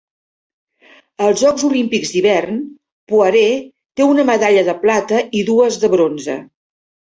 Als Jocs Olímpics d'hivern, Poirée té una medalla de plata i dues de bronze.